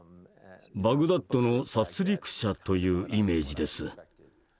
バグダッドの殺りく者というイメージです。